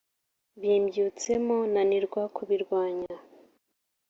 bimbyutsemo nanirwa ku birwanya